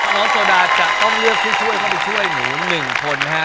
น้องโซดาจะต้องเลือกที่ช่วยเขาไปช่วยหนึ่งคนนะฮะ